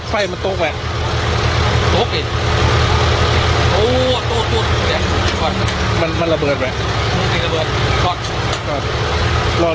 ไฟมันตกไหมตกอีกโอ้โหตกตกมันมันระเบิดไหมมันมีระเบิดตอบ